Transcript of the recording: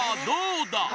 どうだ？